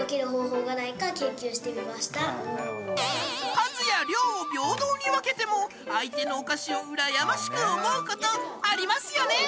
数や量を平等に分けても相手のお菓子をうらやましく思うことありますよね？